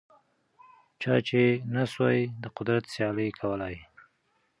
چا یې نه سوای د قدرت سیالي کولای